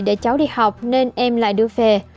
để cháu đi học nên em lại đưa về